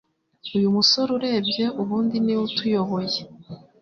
uyu musore urebye ubundi niwe utuyoboye